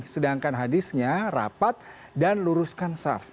sedangkan hadisnya rapat dan luruskan saf